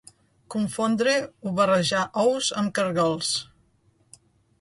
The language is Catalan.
Confondre o barrejar ous amb caragols.